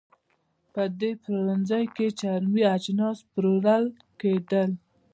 په دې پلورنځۍ کې چرمي اجناس پلورل کېدل.